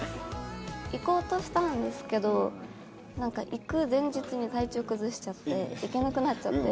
行こうとしたんですけどなんか行く前日に体調崩しちゃって行けなくなっちゃって。